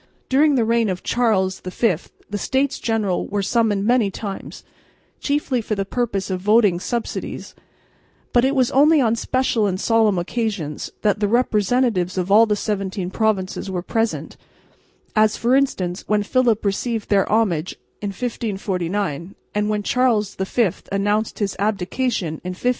During the reign of Charles V the States General were summoned many times, chiefly for the purpose of voting subsidies, but it was only on special and solemn occasions, that the representatives of all the seventeen provinces were present, as for instance when Philip received their homage in 1549 and when Charles V announced his abdication in 1555.